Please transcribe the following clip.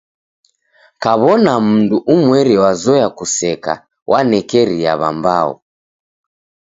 Kaw'ona mndu umweri wazoya kuseka wanekeria w'ambao.